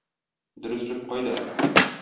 Дөреслек кайда?